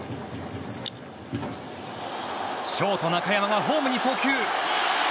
ショート、中山がホームに送球。